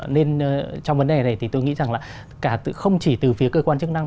nên trong vấn đề này thì tôi nghĩ rằng là không chỉ từ phía cơ quan chức năng